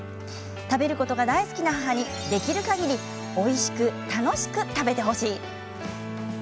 食べることが大好きな母にできるかぎりおいしく楽しく食べてほしい。